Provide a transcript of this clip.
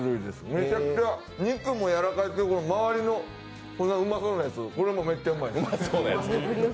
めちゃくちゃ、肉もやわらかいし、周りのこのうまそうなやつ、これもめっちゃうまいです。